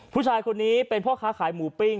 ผู้ชายคนนี้เป็นพ่อค้าขายหมูปิ้ง